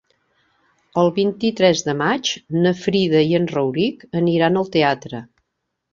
El vint-i-tres de maig na Frida i en Rauric aniran al teatre.